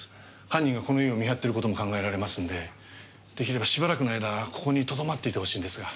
犯人がこの家を見張ってる事も考えられますんで出来ればしばらくの間ここにとどまっていてほしいんですが。